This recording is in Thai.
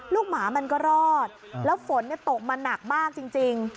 หมามันก็รอดแล้วฝนตกมาหนักมากจริง